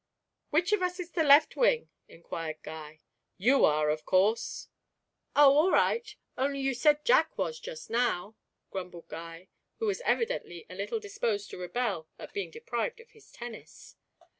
'Which of us is the left wing?' inquired Guy. 'You are, of course.' 'Oh, all right; only you said Jack was just now,' grumbled Guy, who was evidently a little disposed to rebel at being deprived of his tennis.